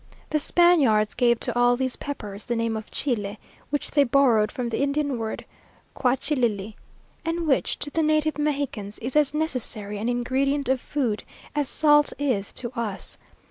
The Spaniards gave to all these peppers the name of chile, which they borrowed from the Indian word quauhchilli, and which, to the native Mexicans, is as necessary an ingredient of food as salt is to us.